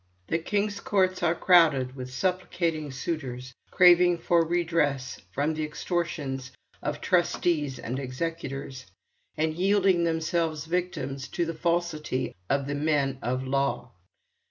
The king's courts are crowded with supplicating suitors, craving for redress from the extortions of trustees and executors, and yielding themselves victims to the falsity of the men of law.